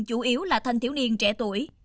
chủ yếu là thanh thiếu niên trẻ tuổi